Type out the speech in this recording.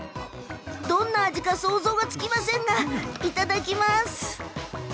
どんな味か想像がつきませんがいただきます。